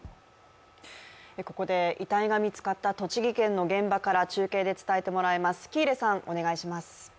ここで遺体が見つかった栃木県の現場から中継で伝えてもらいます。